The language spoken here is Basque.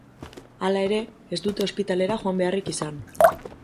Hala ere, ez dute ospitalera joan beharrik izan.